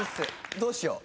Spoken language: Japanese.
どうしよう。